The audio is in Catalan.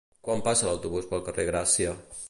Quan passa l'autobús pel carrer Gràcia?